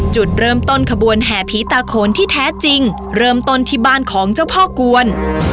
จุดเริ่มต้นขบวนแห่ผีตาโขนที่แท้จริงเริ่มต้นที่บ้านของเจ้าพ่อกวน